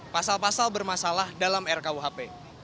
pasal pasal bermasalah dalam rkuhp